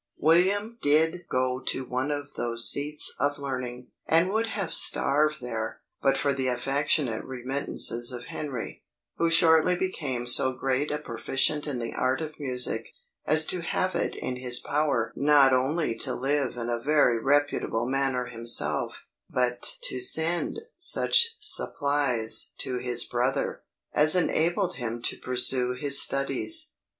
William did go to one of those seats of learning, and would have starved there, but for the affectionate remittances of Henry, who shortly became so great a proficient in the art of music, as to have it in his power not only to live in a very reputable manner himself, but to send such supplies to his brother, as enabled him to pursue his studies.